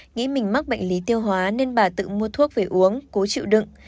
nghĩ mình mắc bệnh lý tiêu hóa nên bà tự mua thuốc về uống cố chịu đựng